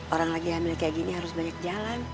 orang lagi hamil kayak gini harus banyak jalan